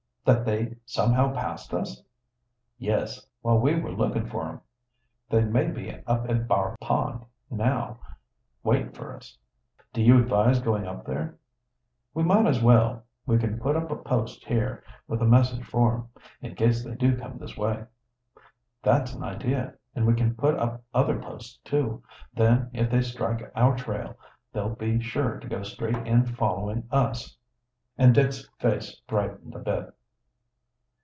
That they somehow passed us?" "Yes; while we were lookin' for 'em. They may be up at B'ar Pond now, waitin' for us." "Do you advise going up there?" "We might as well. We can put up a post here, with a message for 'em in case they do come this way." "That's an idea, and we can put up other posts, too. Then, if they strike our trail, they'll be sure to go straight in following us." And Dick's face brightened a bit.